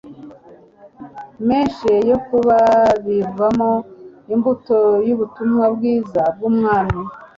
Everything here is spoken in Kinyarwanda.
menshi yo kubabibamo imbuto yUbutumwa bwiza bwubwami